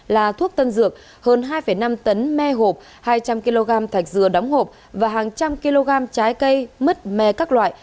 là thuốc tân dược hơn hai năm tấn me hộp hai trăm linh kg thạch dừa đóng hộp và hàng trăm kg trái cây mứt me các loại